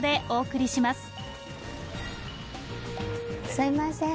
すいません。